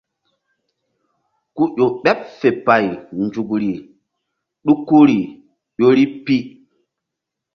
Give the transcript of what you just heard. Ku ƴo ɓeɓ fe pay nzukri ɗukuri ƴori pi.